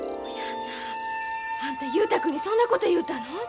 あんた雄太君にそんなこと言うたの？